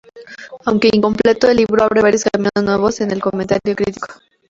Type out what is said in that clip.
Aunque incompleto, el libro abre varios caminos nuevos en el comentario critico.